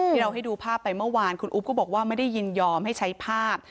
ที่เราให้ดูภาพไปเมื่อวานคุณอุ๊บก็บอกว่าไม่ได้ยินยอมให้ใช้ภาพ